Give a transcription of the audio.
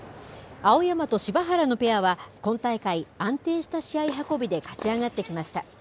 青山と柴原のペアは、今大会、安定した試合運びで勝ち上がってきました。